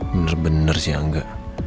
bener bener sih angga